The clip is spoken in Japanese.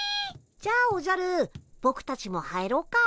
じゃあおじゃるぼくたちも入ろっか。